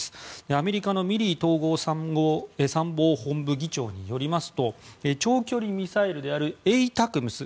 アメリカのミリー統合参謀本部議長によると長距離ミサイルであるＡＴＡＣＭＳ